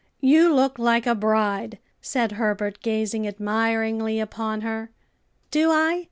"You look like a bride," said Herbert, gazing admiringly upon her. "Do I?"